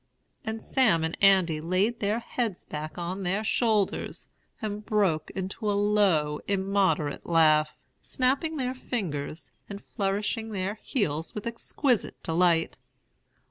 And Sam and Andy laid their heads back on their shoulders, and broke into a low, immoderate laugh, snapping their fingers, and flourishing their heels with exquisite delight.